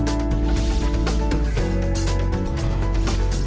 oke sekali lagi